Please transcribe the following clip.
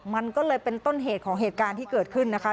มันก็เลยเป็นต้นเหตุของเหตุการณ์ที่เกิดขึ้นนะคะ